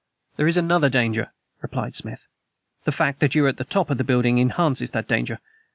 "There is another danger," replied Smith. "The fact that you are at the top of the building enhances that danger.